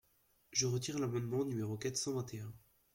Je retire l’amendement numéro quatre cent vingt et un.